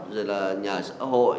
rồi là nhà xã hội